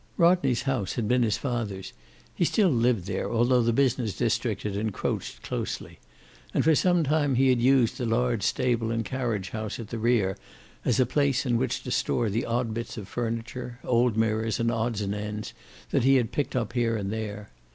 Rodney's house had been his father's. He still lived there, although the business district had encroached closely. And for some time he had used the large stable and carriage house at the rear as a place in which to store the odd bits of furniture, old mirrors and odds and ends that he had picked up here and there.